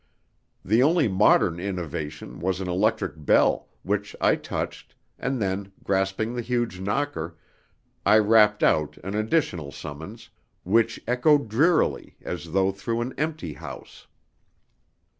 The only modern innovation was an electric bell, which I touched, and then, grasping the huge knocker, I rapped out an additional summons, which echoed drearily, as though through an empty house.